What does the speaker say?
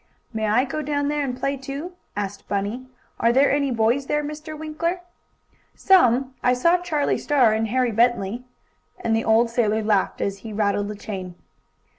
"May I go down there and play, too?" asked Bunny. "Are there any boys there, Mr. Winkler?" "Some. I saw Charlie Star and Harry Bentley," and the old sailor laughed as he rattled the chain.